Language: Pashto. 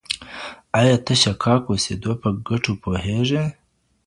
ایا ته د شکاک اوسېدو په ګټو پوهېږې؟